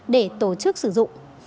để tổ chức sử dụng